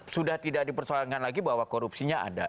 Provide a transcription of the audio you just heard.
sudah tidak dipersoalkan lagi bahwa korupsinya ada